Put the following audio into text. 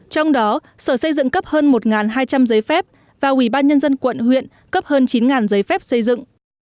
trong đó sở xây dựng cấp hơn một hai trăm linh giấy phép và ủy ban nhân dân quận huyện cấp hơn chín giấy phép xây dựng